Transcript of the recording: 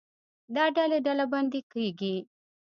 دا ډلې ډلبندي کېږي.